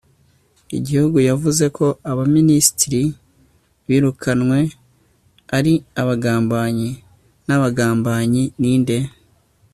igihugu. yavuze ko abaminisitiri birukanwe ari abagambanyi n'abagambanyi ninde